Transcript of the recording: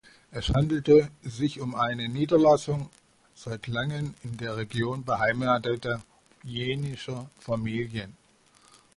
Es handelte sich um eine Niederlassung seit langem in der Region beheimateter jenischer Familien.